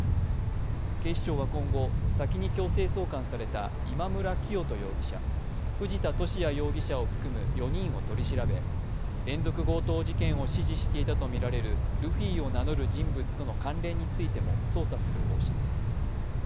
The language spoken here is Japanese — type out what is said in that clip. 警視庁は今後、先に強制送還された今村磨人容疑者、藤田聖也容疑者を含む４人を取り調べ連続強盗事件を指示していたとみられるルフィを名乗る人物との関連についても捜査する方針です。